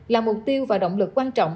là mục tiêu và động lực quan trọng